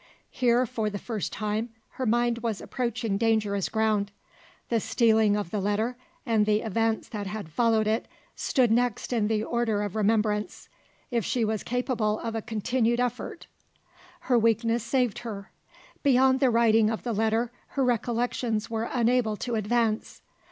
Here, for the first time, her mind was approaching dangerous ground. The stealing of the letter, and the events that had followed it, stood next in the order of remembrance if she was capable of a continued effort. Her weakness saved her. Beyond the writing of the letter, her recollections were unable to advance.